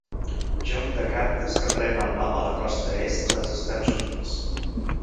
Joc de cartes que pren el nom a la costa est dels Estats Units.